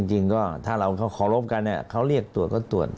ก็จริงก็ถ้าเขาเรียกตรวจก็ตรวจ